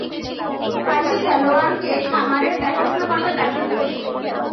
তাই, সে খেলোয়াড়কে খামারের দেখাশোনা করবার দায়িত্ব দেন।